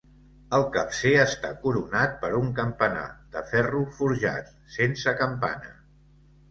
El capcer està coronat per un campanar de ferro forjat, sense campana.